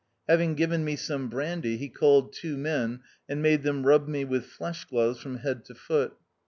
Having given me some brandy, he called two men and made them rub me with flesh gloves from head to foot.